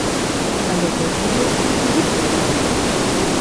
Але ў гэтым ёсць і пазітыўны момант.